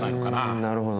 んなるほど。